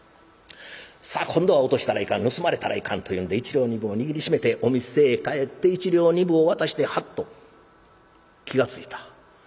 さあ今度は落としたらいかん盗まれたらいかんというんで一両二分を握りしめてお店へ帰って一両二分を渡してハッと気が付いた。